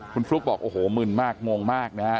คุณพลุกบอกโอ้โฮมึนมากมงมากนะครับ